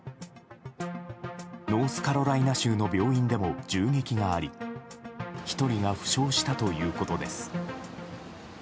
ノースカロライナ州の病院でも銃撃があり１人が負傷したということです。